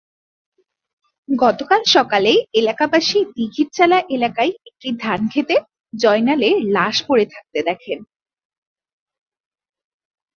গতকাল সকালে এলাকাবাসী দীঘিরচালা এলাকায় একটি ধানখেতে জয়নালের লাশ পড়ে থাকতে দেখেন।